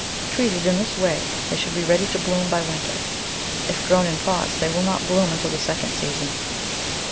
Treated in this way they should be ready to bloom by winter; if grown in pots they will not bloom until the second season.